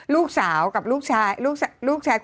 ลูกสาวกับลูกชาย